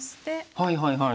はいはいはい。